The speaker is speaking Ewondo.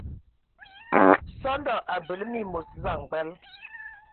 Sɔndɔ a bəle məmos samgbal.